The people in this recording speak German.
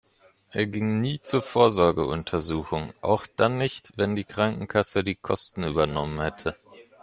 Er ging nie zur Vorsorgeuntersuchung, auch dann nicht, wenn die Krankenkasse die Kosten übernommen hätte.